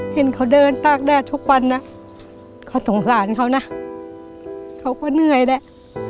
เห็นเขาเดินตากแดดทุกวันนะเขาสงสารเขานะเขาก็เหนื่อยแหละ